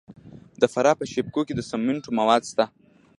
د فراه په شیب کوه کې د سمنټو مواد شته.